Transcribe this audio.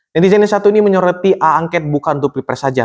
netizen yang satu ini menyoroti aangket bukan untuk pilpers saja